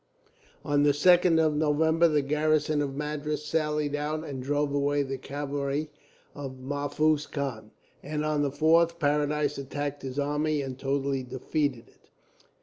"On the 2nd of November, the garrison of Madras sallied out and drove away the cavalry of Maphuz Khan; and on the 4th, Paradis attacked his army, and totally defeated it.